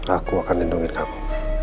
aku akan lindungi kamu